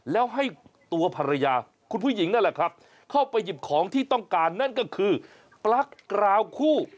แล้วให้ตัวภรรยาคุณผู้หญิงนั่นแหละครับเข้าไปหยิบของที่ต้องการนั่นก็คือปลั๊กกราวคู่